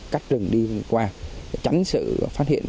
cắt rừng đi qua tránh sự phát hiện